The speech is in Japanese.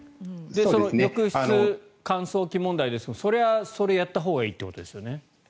浴室乾燥機問題ですがそれは、それをやったほうがいいということですよね。